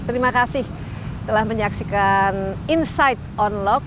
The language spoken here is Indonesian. terima kasih telah menyaksikan inside on lock